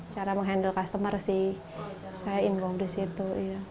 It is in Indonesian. cara menghandle customer sih saya ingin buat di situ